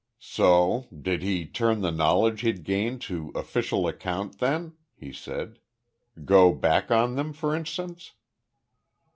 "So? Did he turn the knowledge he'd gained to official account then?" he said. "Go back on them, for instance?"